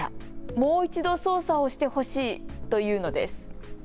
もう一度、操作をしてほしいと言うのです。